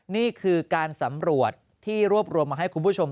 นี่คือการสำรวจที่รวบรวมมาให้คุณผู้ชม